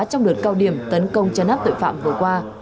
trong đợt cao điểm tấn công chấn áp tội phạm vừa qua